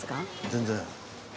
全然。